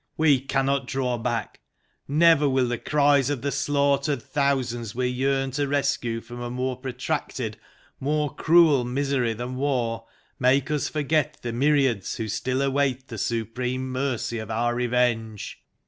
We cannot draw back; never will the cries of the slaughtered thousands we yearned to rescue from a more protracted, more cruel misery than war, make us forget the myriads who still await the supreme mercy of our revenge.